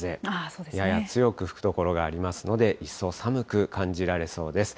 やや強く吹く所がありますので、一層寒く感じられそうです。